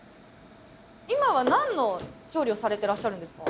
今は何の調理をされてらっしゃるんですか？